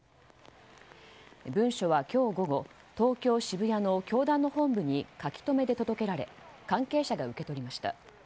文書は今日午後東京・渋谷の教団の本部に書き留めで届けられ関係者が受け取りました。